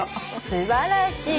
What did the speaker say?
素晴らしい。